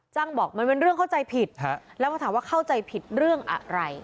บอกมันเป็นเรื่องเข้าใจผิดแล้วพอถามว่าเข้าใจผิดเรื่องอะไร